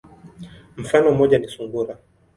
Mfano moja ni sungura.